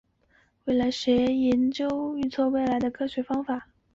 未来学也研究预测未来的科学方法。